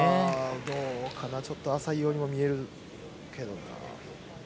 どうかなちょっと浅いようにも見えるけどな。